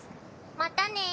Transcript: またね。